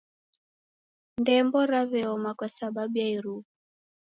Ndembo reaw'eoma kwasababu ya iruw'a